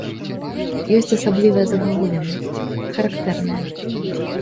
Ёсць асаблівыя загагуліны, характэрныя.